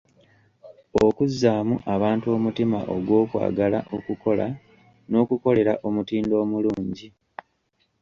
Okuzzaamu abantu omutima ogw’okwagala okukola n’okukolera omutindo omulungi.